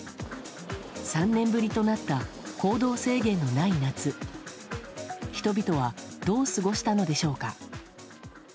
３年ぶりとなった行動制限のない夏人々はどう過ごしたのでしょうか。